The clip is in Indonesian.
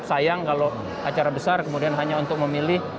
sayang kalau acara besar kemudian hanya untuk memilih